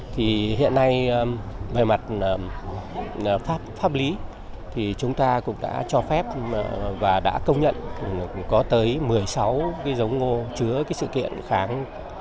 thì hiện nay về mặt pháp lý thì chúng ta cũng đã cho phép và đã công nhận có tới một mươi sáu cái giống ngô chứa cái sự kiện kháng